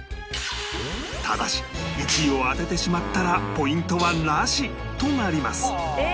ただし１位を当ててしまったらポイントはなしとなります